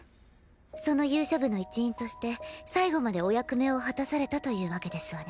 その勇者部の一員として最後までお役目を果たされたというわけですわね。